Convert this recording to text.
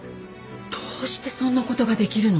どうしてそんなことができるの？